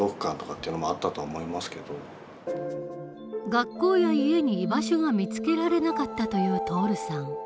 学校や家に居場所が見つけられなかったという徹さん。